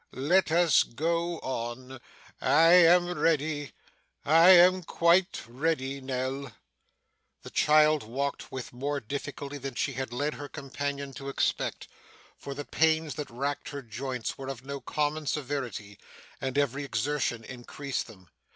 Let us go on. I am ready. I am quite ready, Nell.' The child walked with more difficulty than she had led her companion to expect, for the pains that racked her joints were of no common severity, and every exertion increased them.